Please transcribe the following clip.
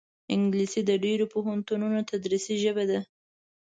انګلیسي د ډېرو پوهنتونونو تدریسي ژبه ده